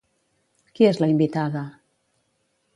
Qui és la invitada?